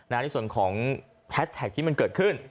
ในส่วนของแฮชแท็กที่มันเกิดขึ้น